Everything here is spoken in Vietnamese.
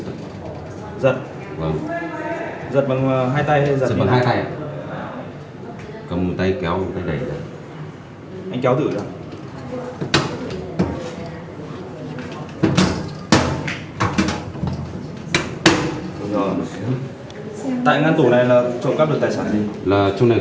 tại ngăn tủ này là trộm cắp được tài sản gì